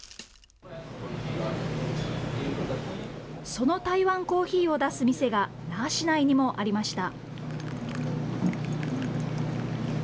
その台湾コーヒーを出す店が那覇市内にもありました。